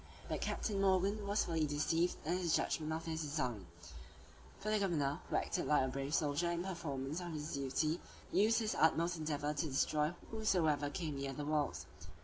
But Captain Morgan was fully deceived in his judgment of this design; for the governor, who acted like a brave soldier in performance of his duty, used his utmost endeavor to destroy whomsoever came near the walls.